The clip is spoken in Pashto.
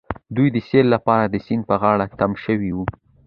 دوی د سيل لپاره د سيند په غاړه تم شوي وو.